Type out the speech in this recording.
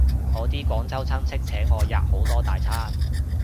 我啲廣州親戚請我吔好多大餐